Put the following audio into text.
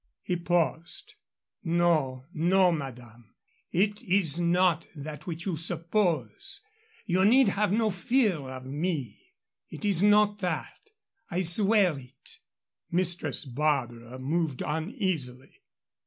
He paused. "No, no, madame. It is not that which you suppose you need have no fear of me. It is not that I swear it!" Mistress Barbara moved uneasily.